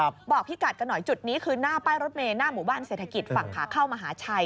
บอกพี่กัดกันหน่อยจุดนี้คือหน้าป้ายรถเมลหน้าหมู่บ้านเศรษฐกิจฝั่งขาเข้ามหาชัย